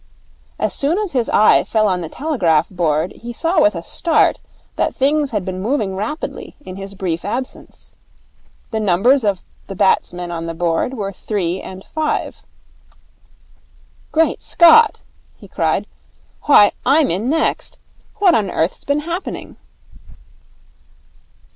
As soon as his eye fell on the telegraph board he saw with a start that things had been moving rapidly in his brief absence. The numbers of the batsmen on the board were three and five. 'Great Scott!' he cried. 'Why, I'm in next. What on earth's been happening?'